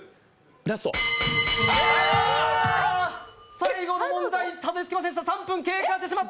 最後の問題、たどり着けませんでした。